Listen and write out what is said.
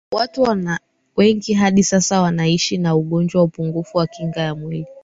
watu wengi hadi sasa wanaishi na ugonjwa wa upungufu wa kinga mwilini